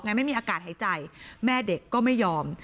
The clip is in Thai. ไม่มีอากาศหายใจแม่เด็กก็ไม่ยอม